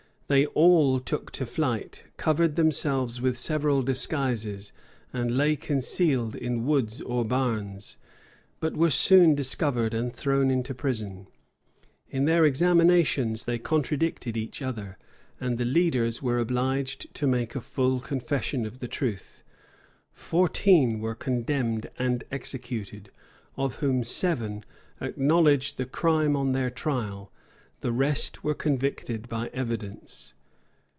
They all took to flight, covered themselves with several disguises, and lay concealed in woods or barns; but were soon discovered and thrown into prison. In their examinations they contradicted each other, and the leaders were obliged to make a full confession of the truth. Fourteen were condemned and executed, of whom seven, acknowledged the crime on their trial; the rest were convicted by evidence.